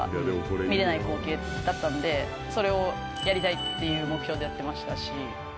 だったんでそれをやりたいっていう目標でやってましたし。